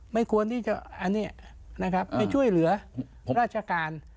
ไม่ควรที่จะอันนี้นะครับไปช่วยเหลือราชการ